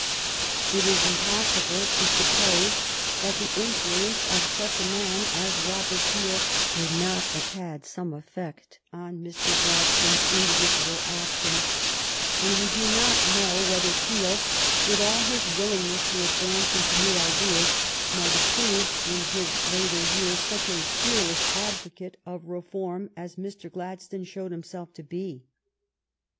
It is impossible to suppose that the influence of such a man as Robert Peel would not have had some effect on Mr. Glad stone's individual action, and we do not know 128 THE STORY OF GLADSTONE'S LIFE whether Peel, with all his willingness to advance into new ideas, might have proved in his later years such a fearless advocate of reform as Mr. Gladstone showed himself to be.